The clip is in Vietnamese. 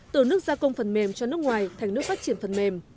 từ nước gia công phần mềm cho nước ngoài thành nước phát triển phần mềm